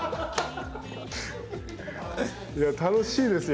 いや楽しいですよ。